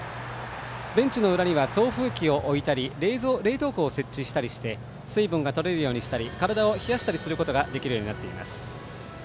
ベンチの裏には送風機を置いたり冷凍庫を設置したりして水分を取れるようにしたり体を冷やしたりすることができるようになっています。